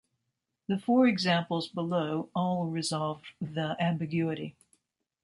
The four examples below all resolve the ambiguity.